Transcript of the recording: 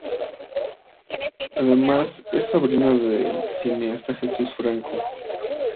Además es sobrino del cineasta Jesús Franco.